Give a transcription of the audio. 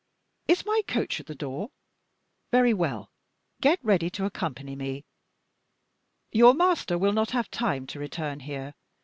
Is my coach at the door? Very well. Get ready to accompany me. Your master will not have time to return here.